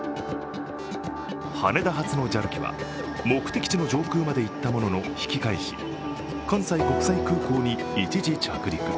羽田発のＪＡＬ機は目的地の上空まで行ったものの引き返し、関西国際空港に一時着陸。